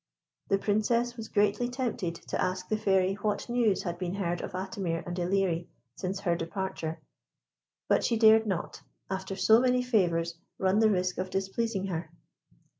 The Princess was greatly tempted to ask the Fairy what news had been heard of Atimir and Ilerie since her departure, but she dared not, after so many favours, run the risk of displeasing her.